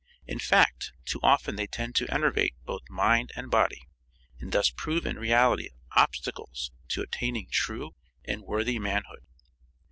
In fact, too often they tend to enervate both mind and body, and thus prove in reality obstacles to attaining true and worthy manhood.